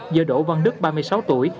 do đỗ văn đức ba mươi sáu tuổi